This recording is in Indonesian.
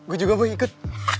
gue juga boy ikut